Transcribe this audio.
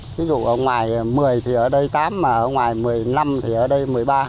thí dụ ở ngoài một mươi thì ở đây tám mà ở ngoài một mươi năm thì ở đây một mươi ba